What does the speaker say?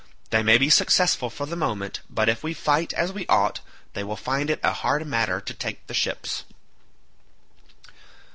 They may be successful for the moment but if we fight as we ought they will find it a hard matter to take the ships."